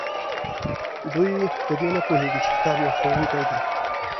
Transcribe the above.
دوی په دې نه پوهیږي چې کتاب یو ښوونکی دی.